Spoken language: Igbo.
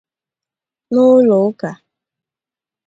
n'ụlọụka